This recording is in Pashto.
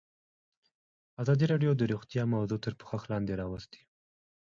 ازادي راډیو د روغتیا موضوع تر پوښښ لاندې راوستې.